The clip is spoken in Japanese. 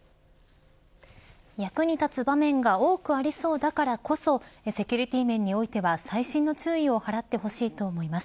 役に立つ場面が多くありそうだからこそセキュリティー面においては細心の注意を払ってほしいと思います。